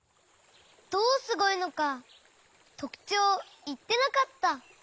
どうすごいのかとくちょうをいってなかった。